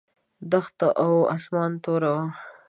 دښته او اسمان توره وه.